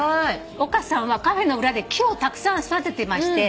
岡さんはカフェの裏で木をたくさん育ててまして。